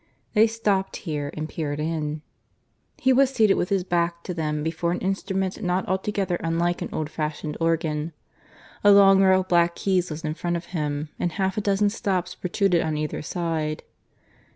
They stopped here and peered in. He was seated with his back to them before an instrument not altogether unlike an old fashioned organ. A long row of black keys was in front of him; and half a dozen stops protruded on either side.